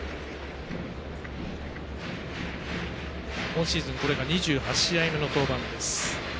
今シーズンこれが２８試合目の登板です。